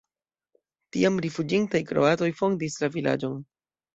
Tiam rifuĝintaj kroatoj fondis la vilaĝon.